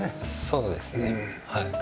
そうですねはい。